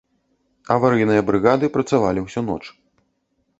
Аварыйныя брыгады працавалі ўсю ноч.